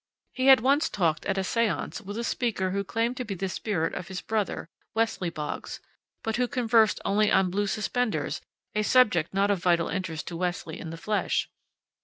He had once talked at a séance with a speaker who claimed to be the spirit of his brother, Wesley Boggs, but who conversed only on blue suspenders, a subject not of vital interest to Wesley in the flesh.